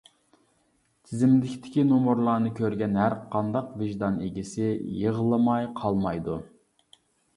تىزىملىكتىكى نومۇرلارنى كۆرگەن ھەرقانداق ۋىجدان ئىگىسى يىغلىماي قالمايدۇ!